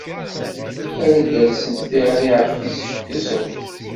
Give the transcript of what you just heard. Ad d-alsent tiɣri ɣef tis kuẓet.